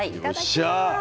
よっしゃあ！